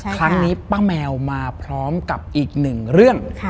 ครั้งนี้ป้าแมวมาพร้อมกับอีกหนึ่งเรื่อง